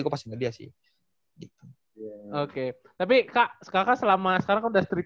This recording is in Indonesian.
kalau ngomongin secara presentasi